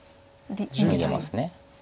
逃げます。